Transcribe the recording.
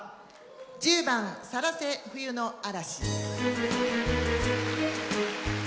１０番「さらせ冬の嵐」。